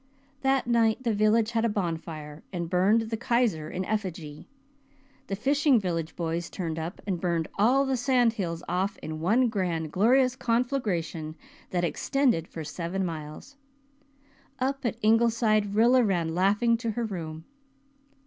That night the village had a bonfire, and burned the Kaiser in effigy. The fishing village boys turned out and burned all the sandhills off in one grand glorious conflagration that extended for seven miles. Up at Ingleside Rilla ran laughing to her room.